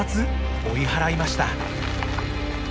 追い払いました。